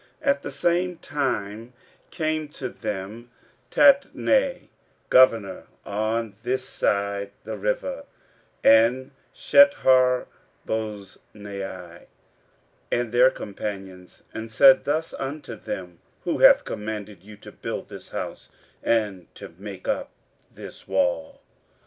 15:005:003 At the same time came to them Tatnai, governor on this side the river, and Shetharboznai and their companions, and said thus unto them, Who hath commanded you to build this house, and to make up this wall?